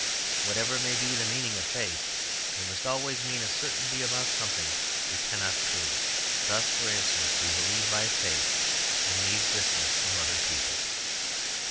Whatever may be the meaning of faith, it must always mean a certainty about something we cannot prove. Thus, for instance, we believe by faith in the existence of other people.